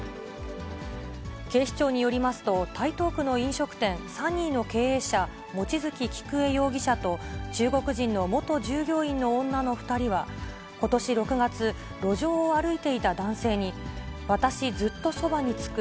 警視庁によりますと、台東区の飲食店、ＳＵＮＮＹの経営者、望月菊恵容疑者と、中国人の元従業員の女の２人は、ことし６月、路上を歩いていた男性に、私ずっとそばにつく。